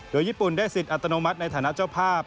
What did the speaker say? โดยญี่ปุ่นได้สิทธิ์อัตโนมัติในฐานะเจ้าภาพ